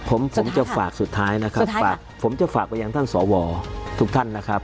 ผมจะฝากอย่างท่านสวทุกท่านนะครับ